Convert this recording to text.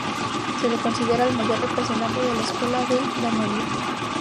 Se le considera el mayor representante de la Escuela del Danubio.